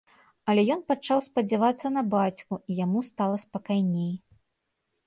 Але ён пачаў спадзявацца на бацьку, і яму стала спакайней.